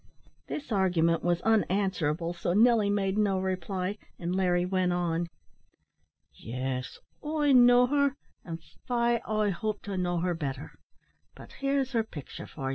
This argument was unanswerable, so Nelly made no reply, and Larry went on. "Yes, avic, I know'd her, an' faix I hope to know her better. But here's her picture for ye."